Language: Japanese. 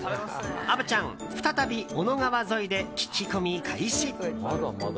虻ちゃん、再び小野川沿いで聞き込み開始。